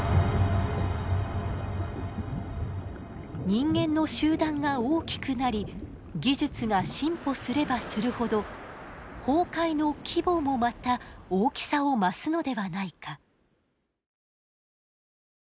人間の集団が大きくなり技術が進歩すればするほど崩壊の規模もまた大きさを増すのではないか。